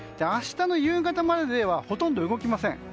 明日の夕方まではほとんど動きません。